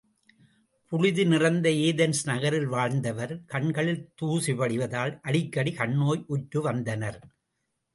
புழுதி நிறைந்த ஏதென்ஸ் நகரில் வாழ்ந்தவர் கண்களில் தூசி படிவதால் அடிக்கடி கண்ணோய் உற்று வந்தனர்.